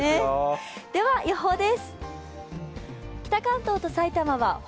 では予報です。